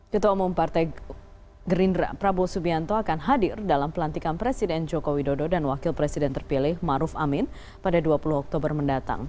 ketua umum partai gerindra prabowo subianto akan hadir dalam pelantikan presiden joko widodo dan wakil presiden terpilih maruf amin pada dua puluh oktober mendatang